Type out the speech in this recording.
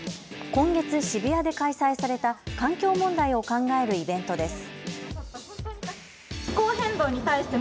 今月、渋谷で開催された環境問題を考えるイベントです。